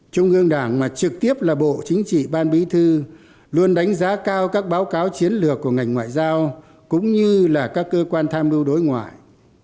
trung ương đảng mà trực tiếp là bộ chính trị ban bí thư luôn đánh giá cao các báo cáo chiến lược của ngành ngoại giao cũng như là các cơ quan tham mưu đối ngoại